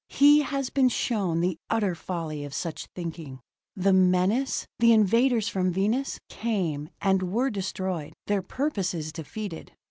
He has been shown the utter folly of such thinking. The menace the invaders from Venus came, and were destroyed, their purposes defeated.